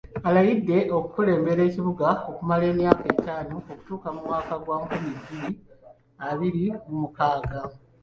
Alayidde okukulembera ekibuga okumala emyaka ettaano okutuuka mu mwaka gwa nkumi bbiri abiri mu mukaaga.